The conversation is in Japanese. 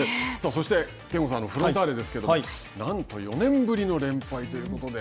そして憲剛さんフロンターレですけどなんと４年ぶりの連敗ということで。